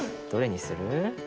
どれにする？